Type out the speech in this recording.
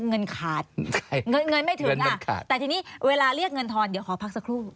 เงินไม่ถึงอ่ะแต่ทีนี้เวลาเรียกเงินทอนเดี๋ยวขอพักสักครู่